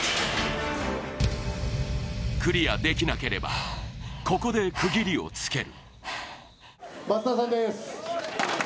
クリアできなければここで区切りをつける。